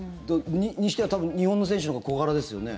にしては、多分日本の選手とか小柄ですよね？